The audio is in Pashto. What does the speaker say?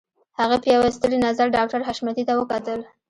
هغې په يوه ستړي نظر ډاکټر حشمتي ته وکتل.